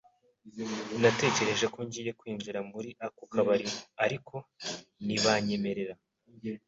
Natekereje ko ngiye kwinjira muri ako kabari, ariko ntibanyemerera.